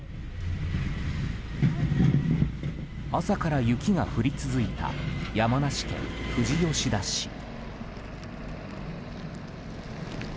朝から雪が降り続いた山梨県富士吉田市。